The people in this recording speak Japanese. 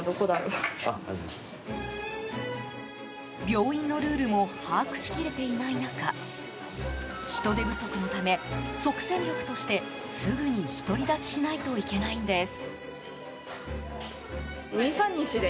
病院のルールも把握しきれていない中人手不足のため即戦力としてすぐに独り立ちしないといけないんです。